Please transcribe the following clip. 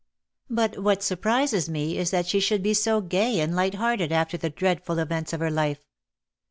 But what surprises me is that she should be so gay and light hearted after the dreadful events of her life.